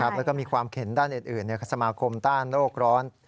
แล้วก็มีความเข็นด้านอื่นสมาคมต้านโรคร้อน